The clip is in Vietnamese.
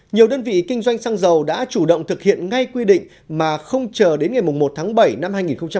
nhiều đơn vị kinh doanh xăng dầu đã chủ động thực hiện ngay quy định mà không chờ đến ngày một tháng bảy năm hai nghìn hai mươi